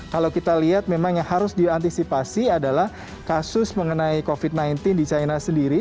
kalau kita lihat memang yang harus diantisipasi adalah kasus mengenai covid sembilan belas di china sendiri